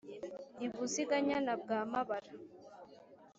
i buziga-nyana bwa mabara,